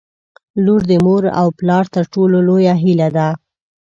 • لور د مور او پلار تر ټولو لویه هیله ده.